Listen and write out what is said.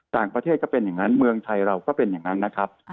ต่างประเทศก็เป็นอย่างนั้นเมืองไทยเราก็เป็นอย่างนั้นนะครับ